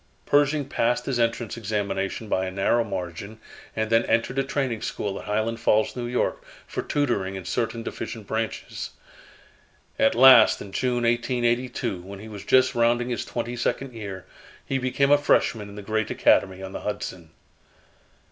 Pershing passed his entrance examination by a narrow margin, and then entered a training school at Highland Falls, N. Y., for tutoring in certain deficient branches. At last in June, 1882, when he was just rounding his twenty second year, he became a freshman in the great Academy on the Hudson.